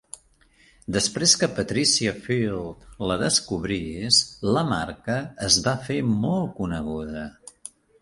Després que Patricia Field la descobrís, la marca es va fer molt coneguda.